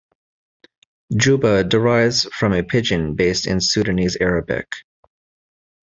Juba derives from a pidgin based in Sudanese Arabic.